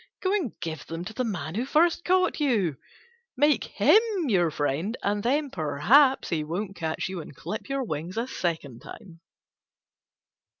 Go and give them to the man who first caught you; make him your friend, and then perhaps he won't catch you and clip your wings a second time."